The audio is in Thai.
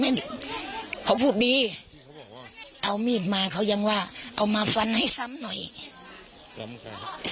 อะมั้งเขาพูดดีเอามีนมาเขายังว่าเอามาฟันให้ซ้ำหน่อยซ้ำค่ะ